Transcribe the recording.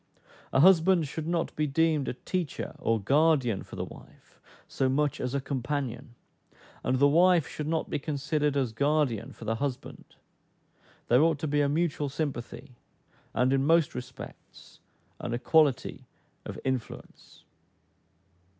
A husband should not be deemed a teacher or guardian for the wife so much as a companion; and the wife should not be considered as guardian for the husband: there ought to be a mutual sympathy, and in most respects an equality of influence.